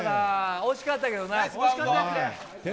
惜しかったけどな。